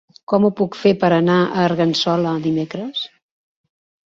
Com ho puc fer per anar a Argençola dimecres?